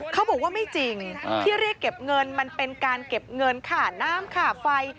เขาบอกว่าไม่จริงที่เรียกเก็บเงินมันเป็นการเก็บเงินค่าน้ำค่าไฟ